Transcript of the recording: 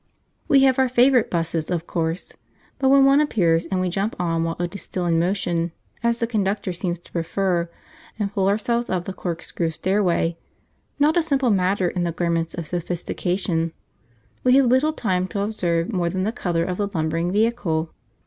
We have our favourite 'buses, of course; but when one appears, and we jump on while it is still in motion, as the conductor seems to prefer, and pull ourselves up the cork screw stairway, not a simple matter in the garments of sophistication, we have little time to observe more than the colour of the lumbering vehicle.